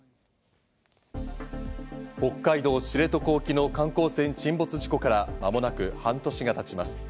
北海道知床沖の観光船沈没事故から間もなく半年が経ちます。